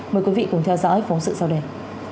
mời quý vị cùng theo dõi phóng sự sau đây